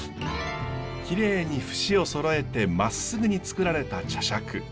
きれいに節をそろえてまっすぐにつくられた茶しゃく。